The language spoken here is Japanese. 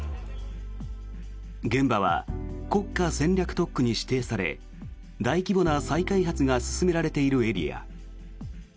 現場は国家戦略特区に指定され大規模な再開発が進められているエリア。